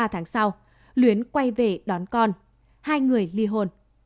ba tháng sau luyến quay về đón con hai người li hôn